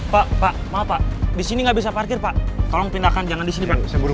pak pak maaf pak di sini nggak bisa parkir pak tolong pindahkan jangan disini